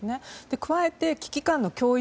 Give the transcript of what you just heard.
加えて危機感の共有